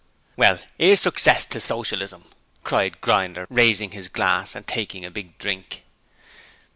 'Well, 'ere's success to Socialism,' cried Grinder, raising his glass, and taking a big drink.